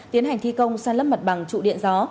tiến hành thi công san lấp mặt bằng trụ điện gió